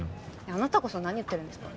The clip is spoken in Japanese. あなたこそ何言ってるんですか？